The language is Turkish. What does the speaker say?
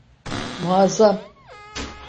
Muazzam!